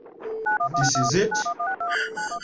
This is it.